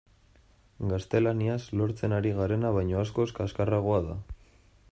Gaztelaniaz lortzen ari garena baino askoz kaxkarragoa da.